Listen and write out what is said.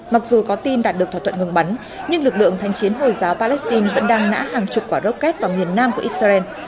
mặc dù có tin đạt được thỏa thuận ngừng bắn nhưng lực lượng thanh chiến hồi giáo palestine vẫn đang nã hàng chục quả rocket vào miền nam của israel